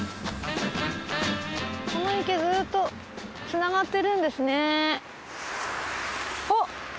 この池ずっとつながってるんですね。